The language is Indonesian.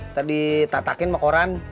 ntar ditatakin sama koran